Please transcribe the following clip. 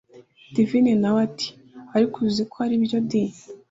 divine nawe ati: ariko uziko aribyo di,